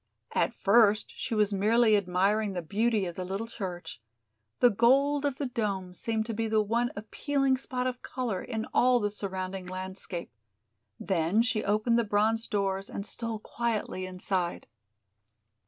At first she was merely admiring the beauty of the little church. The gold of the dome seemed to be the one appealing spot of color in all the surrounding landscape. Then she opened the bronze doors and stole quietly inside.